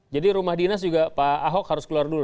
jadi rumah dinas juga pak ahok harus keluar dulu